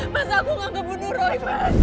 mas aku gak kebunuh roy